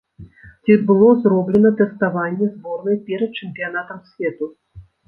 Ці было зроблена тэставанне зборнай перад чэмпіянатам свету?